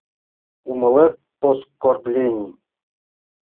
Умылет: ос-кор-блений!